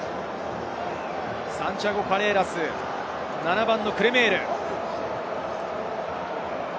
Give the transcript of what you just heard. サンティアゴ・カレーラス、７番はクレメール。